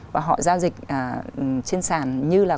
và họ giao dịch trên sàn như là